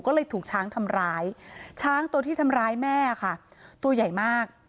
ก็เลยถูกช้างทำร้ายช้างตัวที่ทำร้ายแม่ค่ะตัวใหญ่มาก